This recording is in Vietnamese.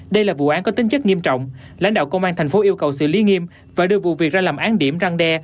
đây là vụ án có tính chất nghiêm trọng lãnh đạo công an thành phố yêu cầu xử lý nghiêm và đưa vụ việc ra làm án điểm răng đe